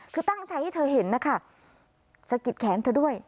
คือตั้งใจให้เธอเห็นนะคะสะกิดแขนเธอด้วย